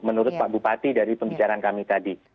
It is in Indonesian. menurut pak bupati dari pembicaraan kami tadi